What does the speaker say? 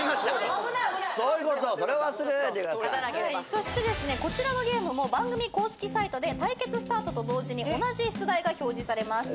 そしてですねこちらのゲームも番組公式サイトで対決スタートと同時に同じ出題が表示されます。